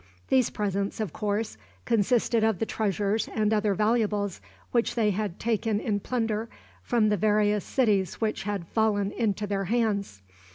These presents, of course, consisted of the treasures and other valuables which they had taken in plunder from the various cities which had fallen into their hands.